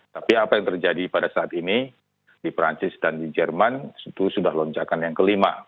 tapi apa yang terjadi pada saat ini di perancis dan di jerman itu sudah lonjakan yang kelima